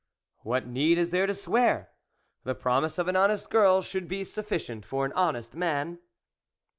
"What need is there to swear? the promise of an honest girl should be sufficient for an honest man."